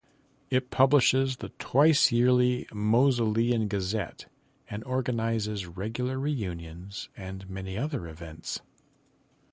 It publishes the twice-yearly "Moseleian Gazette", and organises regular reunions and many other events.